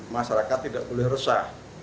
masyarakat tidak boleh resah